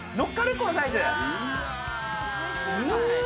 このサイズ。